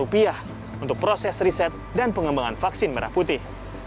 untuk proses riset dan pengembangan vaksin merah putih